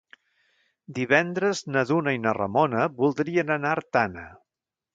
Divendres na Duna i na Ramona voldrien anar a Artana.